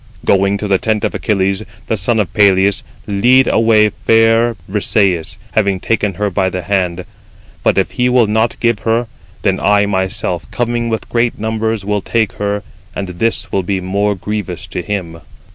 "Going to the tent of Achilles, the son of Peleus, lead away fair Brisëis, having taken her by the hand; but if he will not give her, then I myself, coming with great numbers, will take her, and this will be more grievous 41 to him."